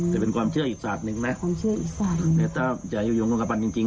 แต่เป็นความเชื่ออิสระหนึ่งนะความเชื่ออิสระหนึ่งแต่ถ้าอยู่ยงลงกระพันธุ์จริงจริง